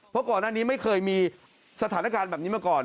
เพราะก่อนหน้านี้ไม่เคยมีสถานการณ์แบบนี้มาก่อน